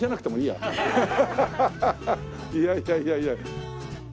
いやいやいやいや。